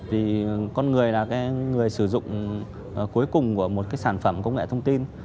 vì con người là người sử dụng cuối cùng của một cái sản phẩm công nghệ thông tin